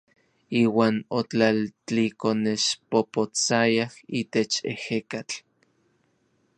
Iuan otlaltlikonexpopotsayaj itech ejekatl.